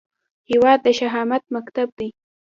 هیواد د شهامت مکتب دی